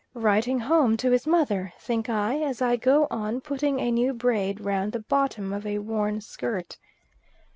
Writing home to his mother, think I, as I go on putting a new braid round the bottom of a worn skirt.